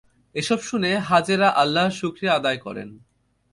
এসব শুনে হাজেরা আল্লাহর শুকরিয়া আদায় করেন।